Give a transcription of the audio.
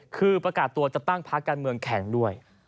คือประกาศตัวจะตั้งพักการเมืองแข่งด้วย